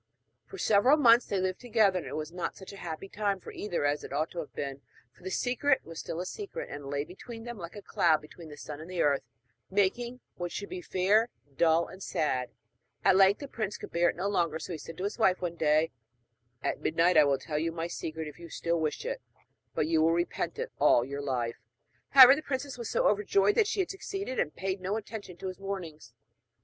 For several months they lived together; and it was not such a happy time for either as it ought to have been, for the secret was still a secret, and lay between them like a cloud between the sun and the earth, making what should be fair, dull and sad. [Illustration: THE SNAKE PRINCE VISITS HIS WIFE] At length the prince could bear it no longer; so he said to his wife one day: 'At midnight I will tell you my secret if you still wish it; but you will repent it all your life.' However, the princess was overjoyed that she had succeeded, and paid no attention to his warnings.